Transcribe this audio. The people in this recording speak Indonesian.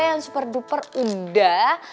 yang super duper unda